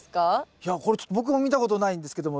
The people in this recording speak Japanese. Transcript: いやこれちょっと僕も見たことないんですけども。